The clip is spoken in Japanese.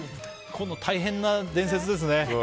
大変な伝説ですね。